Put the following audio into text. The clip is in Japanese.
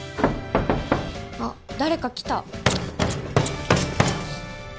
あっ誰か来た。